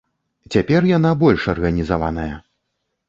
Цяпер яна больш арганізаваная.